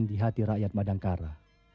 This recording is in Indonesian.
di hati rakyat madangkara